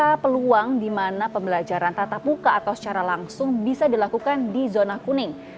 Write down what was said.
ada peluang di mana pembelajaran tatap muka atau secara langsung bisa dilakukan di zona kuning